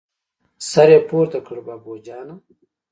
سر يې پورته کړ: بابو جانه!